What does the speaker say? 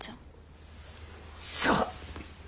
そう。